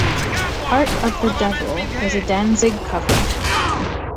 "Heart of the Devil" is a Danzig cover.